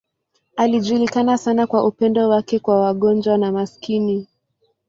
Alijulikana sana kwa upendo wake kwa wagonjwa na maskini.